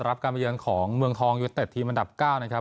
รับการมาเยือนของเมืองทองยูเต็ดทีมอันดับ๙นะครับ